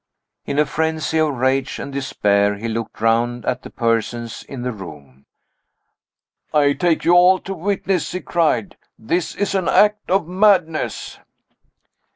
In a frenzy of rage and despair, he looked round at the persons in the room. "I take you all to witness," he cried; "this is an act of madness!"